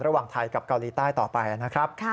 ระหว่างไทยกับเกาหลีใต้ต่อไปนะครับ